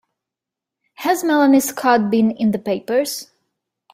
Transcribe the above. Has Melanie Scott been in the papers?